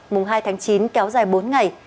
mùng hai tháng chín kéo dài bốn ngày